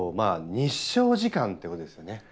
日照時間ってことですよね